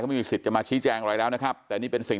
ไม่มีสิทธิ์จะมาชี้แจงอะไรแล้วนะครับแต่นี่เป็นสิ่ง